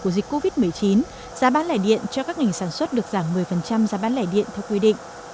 dịch covid một mươi chín giá bán lẻ điện cho các ngành sản xuất được giảm một mươi giá bán lẻ điện theo quy định